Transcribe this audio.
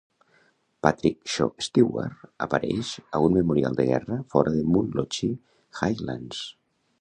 Patrick Shaw Stewart apareix a un memorial de guerra fora de Munlochy Highlands.